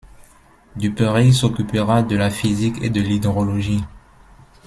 Duperrey s'occupera de la physique et de l'hydrologie.